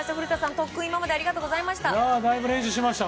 特訓ありがとうございました。